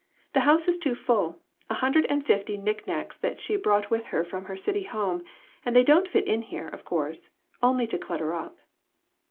The house is too full ; a hundred and fifty nick nacks that she brought with her from her city home, and they don't fit in here, of course, only to clutter up."